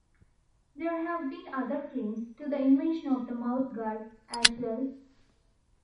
There have been other claims to the invention of the mouthguard as well.